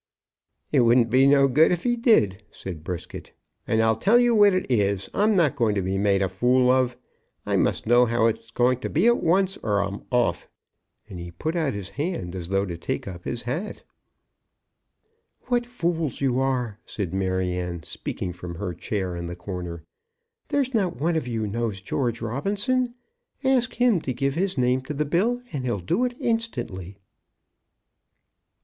"It would be no good if he did," said Brisket. "And, I'll tell you what it is, I'm not going to be made a fool of; I must know how it's to be at once, or I'm off." And he put out his hand as though to take up his hat. "What fools you are!" said Maryanne, speaking from her chair in the corner. "There's not one of you knows George Robinson. Ask him to give his name to the bill, and he'll do it instantly."